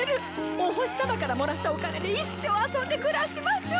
お星さまからもらったお金で一生遊んで暮らしましょう。